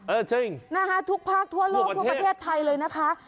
จริงนะคะทุกภาคทั่วโลกทั่วประเทศไทยเลยนะคะ